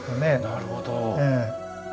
なるほど。